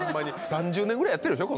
３０年ぐらいやってるでしょ？